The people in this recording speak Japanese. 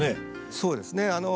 そうですね。